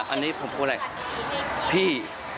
อันนี้ผมพูดอะไรพี่